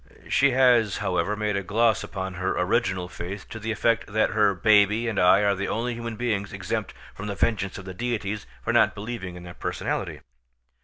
She has, however, made a gloss upon her original faith to the effect that her baby and I are the only human beings exempt from the vengeance of the deities for not believing in their personality.